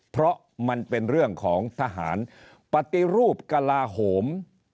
เพราะมันเป็นเรื่องของทหารปฏิรูปกลาโหม